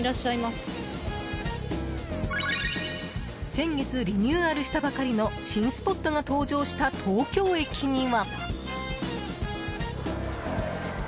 先月リニューアルしたばかりの新スポットが登場した東京駅には。